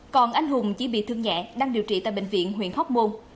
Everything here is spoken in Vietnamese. còn anh hùng chỉ bị thương nhẹ đang điều trị tại bệnh viện huyện hóc môn